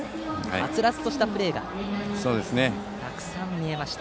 はつらつとしたプレーがたくさん見られました。